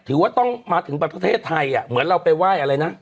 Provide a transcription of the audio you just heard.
ถือว่าต้องมาถึงประเทศไทยเหมือนเราไปไหว้อะไรนะ